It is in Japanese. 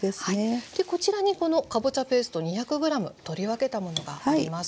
こちらにこのかぼちゃペースト２００ｇ取り分けたものがあります。